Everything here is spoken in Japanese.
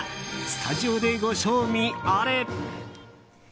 スタジオでご賞味あれ。